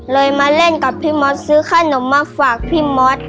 มาเล่นกับพี่มอสซื้อขนมมาฝากพี่มอส